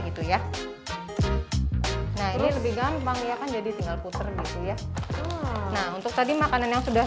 gitu ya nah ini lebih gampang ya kan jadi tinggal puter gitu ya nah untuk tadi makanan yang sudah